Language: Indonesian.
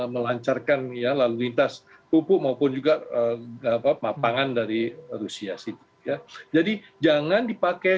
melancarkan ya lalu lintas pupuk maupun juga apa papangan dari rusia sih ya jadi jangan dipakai